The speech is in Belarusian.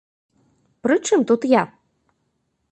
Пры чым тут я?